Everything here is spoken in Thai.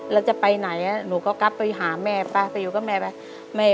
แล้วจะไปไหนหนูก็ไปหาแม่ป้าไปอยู่กับแม่